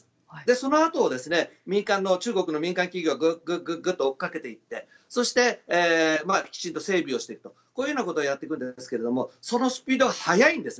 そのあとを中国の民間企業がグググッと追いかけていってそしてきちんと整備をしているとこういうことをやっていくんですけどそのスピードが速いんです。